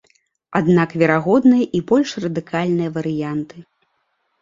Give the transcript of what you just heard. Аднак верагодныя і больш радыкальныя варыянты.